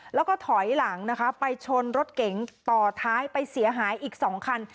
แล้วก็ถอยหลังนะคะไปชนรถเก๋งต่อท้ายไปเสียหายอีก๒คัน